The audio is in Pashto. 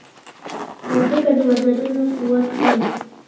الوتکه د وزرونو قوت ښيي.